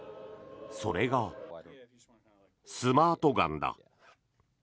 それが、スマートガンだ。